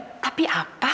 aku mencintai kamu mawar